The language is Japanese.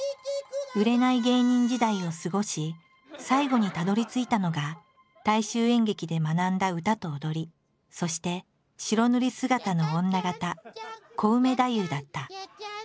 売れない芸人時代を過ごし最後にたどりついたのが大衆演劇で学んだ歌と踊りそして白塗り姿の女形「コウメ太夫」だった。